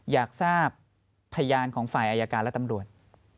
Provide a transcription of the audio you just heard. อยากทราบพยานของฝ่ายอายการและตำรวจ